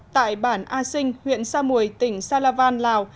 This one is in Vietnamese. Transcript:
tại bản a sinh huyện sa mùi tỉnh salavan lào